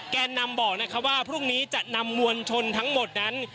แกนนำบอกนะครับว่าพรุ่งนี้จะนำมวลชนทั้งหมดนั้น